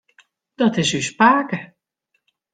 Dat is ús pake.